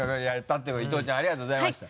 伊藤ちゃんありがとうございました。